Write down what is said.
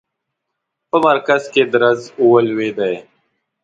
په مرکز کې درز ولوېدی.